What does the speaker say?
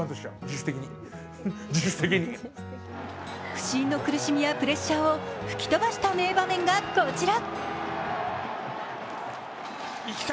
不振の苦しみやプレッシャーを吹き飛ばした名場面がこちら。